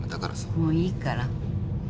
もういいから。